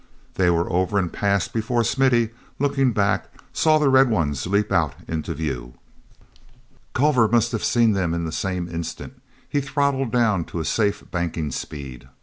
They were over and past before Smithy, looking back, saw the red ones leap out into view. ulver must have seen them in the same instant. He throttled down to a safe banking speed.